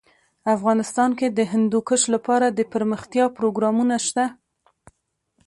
افغانستان کې د هندوکش لپاره دپرمختیا پروګرامونه شته.